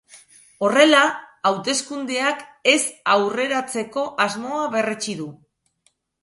Horrela, hauteskundeak ez aurreratzeko asmoa berretsi du.